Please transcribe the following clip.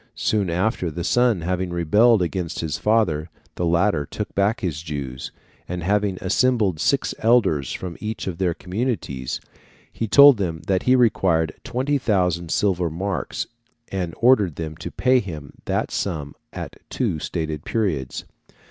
Soon after, the son having rebelled against his father, the latter took back his Jews, and having assembled six elders from each of their communities, he told them that he required 20,000 silver marks, and ordered them to pay him that sum at two stated periods.